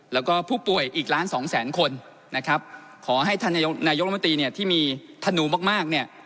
แล้วก็ผู้ป่วยอีกล้านสองแสนคนนะครับขอให้ท่านนายกรัฐมนตรีเนี่ยที่มีธนูมากมากเนี่ย